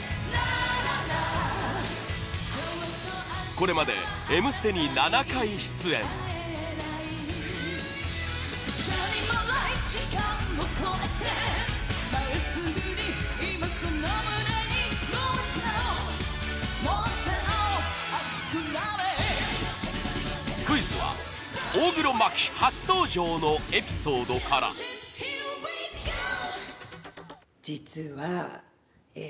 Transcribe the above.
これまで「Ｍステ」に７回出演クイズは大黒摩季初登場のエピソードから大黒：それは一体、何でしょう？